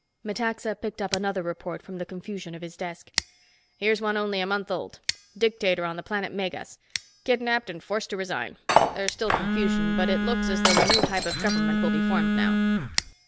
Metaxa picked up another report from the confusion of his desk. "Here's one only a month old. Dictator on the planet Megas. Kidnapped and forced to resign. There's still confusion but it looks as though a new type of government will be formed now."